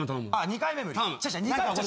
２回目無理。